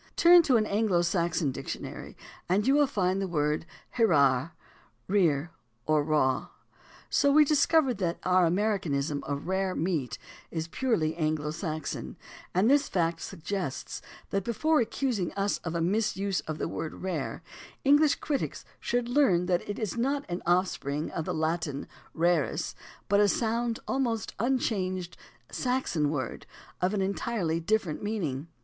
Turn to an Anglo Saxon dictionary and you will find the word, "Hrere — rear or raw." So we discover that our "Americanism" of "rare" meat is purely Anglo Saxon, and this fact suggests that before accusing us of a misuse of the word "rare" English critics should learn that it is not an offspring of the Latin "rarus," but a sound, almost unchanged, Saxon word of an en tirely different meaning.